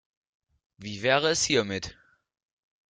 Wie wäre es hiermit?